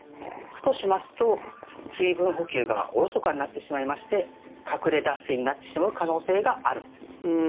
ふとしますと、水分補給がおろそかになってしまいまして隠れ脱水になってしまう可能性があるんです。